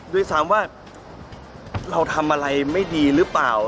ด้วยซ้ำว่าเราทำอะไรไม่ดีหรือเปล่า